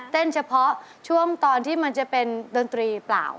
เฉพาะช่วงตอนที่มันจะเป็นดนตรีเปล่า